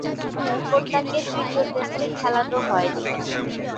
এরপর তাকে তৃতীয় টেস্টে খেলানো হয়নি।